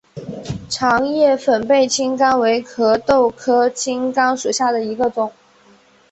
长叶粉背青冈为壳斗科青冈属下的一个种。